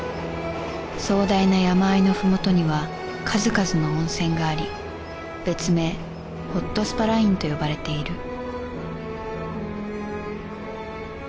壮大な山あいの麓には数々の温泉があり別名ほっとスパ・ラインと呼ばれている